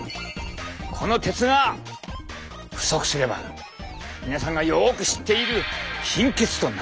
この鉄が不足すれば皆さんがよく知っている貧血となる。